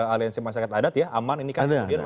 aliansi masyarakat adat ya aman ini kan sendiri